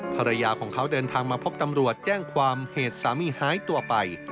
ภรรยาของเขาเดินทางมาพบตำรวจแจ้งความเหตุสามีหายตัวไป